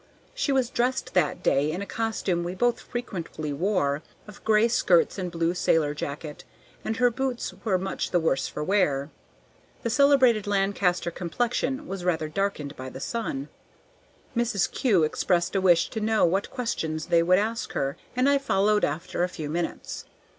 She was dressed that day in a costume we both frequently wore, of gray skirts and blue sailor jacket, and her boots were much the worse for wear. The celebrated Lancaster complexion was rather darkened by the sun. Mrs. Kew expressed a wish to know what questions they would ask her, and I followed after a few minutes.